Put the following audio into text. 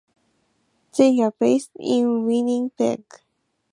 They are based in Winnipeg.